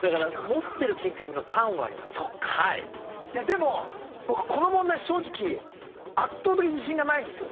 持ってる金額の３割なんですそっかいやでも僕この問題正直圧倒的に自信がないんですよ